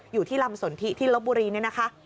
อยู่ที่ลำสนทิที่ลบบุรีเนี่ยนะคะ